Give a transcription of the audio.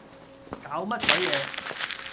搞乜鬼嘢